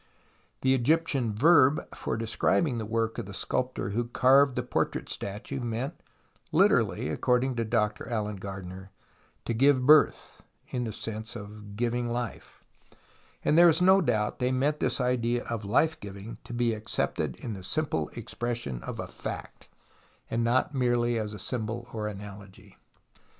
The Egyptian verb for describing the work of the sculptor who carved the portrait statue meant literally, according to Dr Alan Gardiner, " to give birth," in the sense of " giving life "; and there is no doubt they meant this idea of life giving to be accepted as the simple expression of a fact, and not merely as a symbol or analogy.